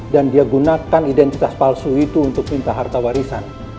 dan dia gunakan identitas palsu itu untuk minta harta warisan